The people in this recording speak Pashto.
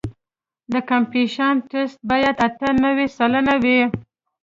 د کمپکشن ټسټ باید اته نوي سلنه وي